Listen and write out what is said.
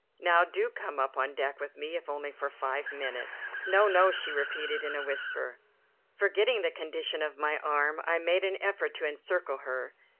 Now, do come up on deck with me, if only for five minutes." "No, no," she repeated in a whisper. Forgetting the condition of my arm, I made an effort to encircle her.